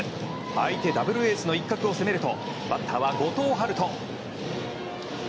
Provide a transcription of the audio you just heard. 相手ダブルエースの一角を攻めるとバッターは後藤陽人。